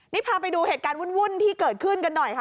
นี่พาไปดูเหตุการณ์วุ่นที่เกิดขึ้นกันหน่อยค่ะ